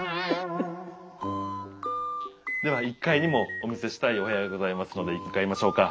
では１階にもお見せしたいお部屋がございますので向かいましょうか。